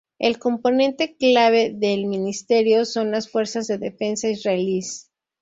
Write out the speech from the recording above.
El componente clave del Ministerio son las Fuerzas de Defensa Israelíes.